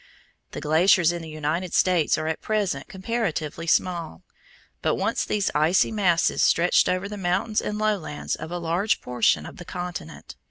The glaciers in the United States are at present comparatively small, but once these icy masses stretched over the mountains and lowlands of a large portion of the continent.